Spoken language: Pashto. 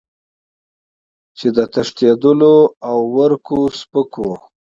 چې د تښتېدلو او ورکو سپکو